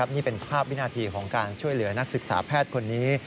นี่เป็นภาพวินาทีของการช่วยเหลือนักศึกษาแพทย์คนนี้